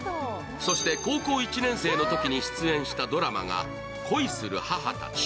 そして、高校１年生のときに出演したドラマが「恋する母たち」。